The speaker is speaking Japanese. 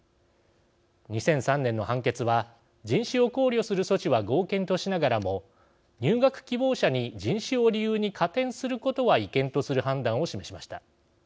２００３年の判決は人種を考慮する措置は合憲としながらも入学希望者に人種を理由に加点することは違憲とする判断を示しました。